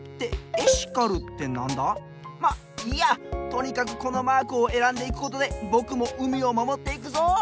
とにかくこのマークをえらんでいくことでぼくも海をまもっていくぞ！